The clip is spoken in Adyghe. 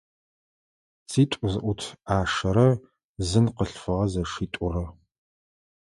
ЦитӀу зыӀут Ӏашэрэ зын къылъфыгъэ зэшитӀурэ.